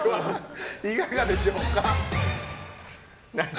いかがでしょうか？